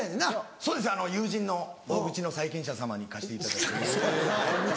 そうです友人の大口の債権者様に貸していただいて。